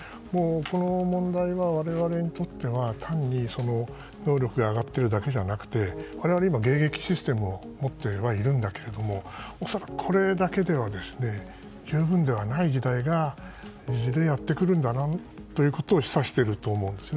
この問題は我々にとっては単に能力が上がってるだけじゃなくて我々今、迎撃システムを持ってはいるんだけれども恐らく、これだけでは十分ではない時代がいずれやってくるんだなということを示唆しているんだなと思います。